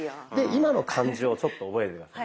今の感じをちょっと覚えてて下さい。